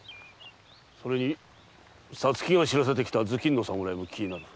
それに皐月が知らせてきた頭巾の侍も気になる。